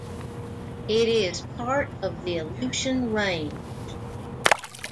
It is part of the Aleutian Range.